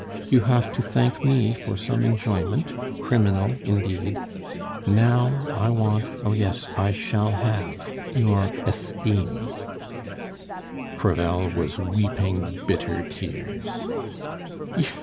You have to thank me for some enjoyment, criminal indeed; now I want oh yes, I shall have your esteem." Crevel was weeping bitter tears.